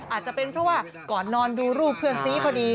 อาจจะเป็นเพราะว่าก่อนนอนดูรูปเพื่อนซีพอดี